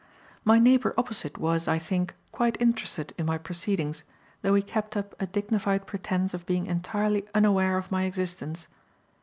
My neighbour opposite was, I think, quite interested in my proceedings, though he kept up a dignified pretence of being entirely unaware of my existence.